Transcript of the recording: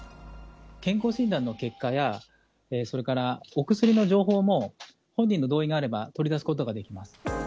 健康診断の結果や、それからお薬の情報も、本人の同意があれば取り出すことができます。